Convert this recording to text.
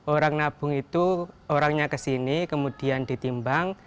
orang nabung itu orangnya ke sini kemudian ditimbang